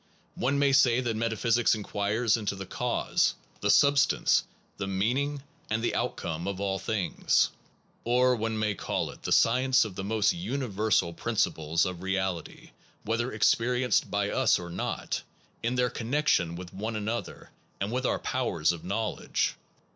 One may say that metaphysics inquires into the cause, the substance, the meaning, and the out come of all things. Or one may call it the sci ence of the most universal principles of reality (whether experienced by us or not), in their connection with one another and with our pow ers of knowledge.